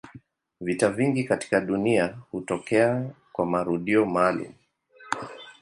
Vitu vingi katika dunia hutokea kwa marudio maalumu.